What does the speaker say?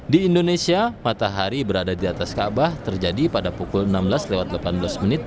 di indonesia matahari berada di atas kaabah terjadi pada pukul enam belas lewat delapan belas menit